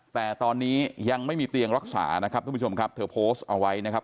แต่ตอนนี้ยังไม่มีเตียงรักษานะครับทุกผู้ชมครับเธอโพสต์เอาไว้นะครับ